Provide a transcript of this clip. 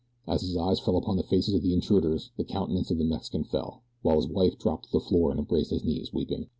As his eyes fell upon the faces of the intruders the countenance of the Mexican fell, while his wife dropped to the floor and embraced his knees, weeping.